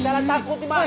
jangan takut ma